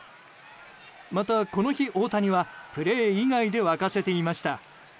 また、この日、大谷はプレー以外で沸かせていました。